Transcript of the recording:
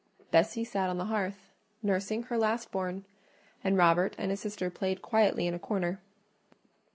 Bessie sat on the hearth, nursing her last born, and Robert and his sister played quietly in a corner.